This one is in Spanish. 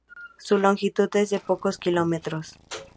Su longitud es de pocos kilómetros.